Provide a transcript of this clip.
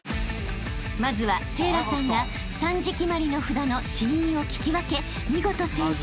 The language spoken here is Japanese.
［まずは聖蘭さんが３字決まりの札の子音を聞き分け見事先取］